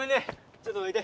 ちょっとどいて。